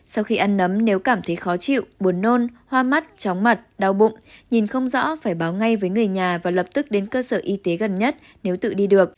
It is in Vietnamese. sau khi ăn nấm nếu cảm thấy khó chịu buồn nôn hoa mắt tróng mặt đau bụng nhìn không rõ phải báo ngay với người nhà và lập tức đến cơ sở y tế gần nhất nếu tự đi được